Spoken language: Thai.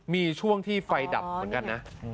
มีช่วงที่ไฟดับเหมือนกันนะ